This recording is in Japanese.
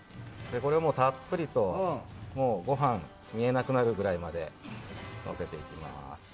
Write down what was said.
これをたっぷりとご飯見えなくなるぐらいまでのせます。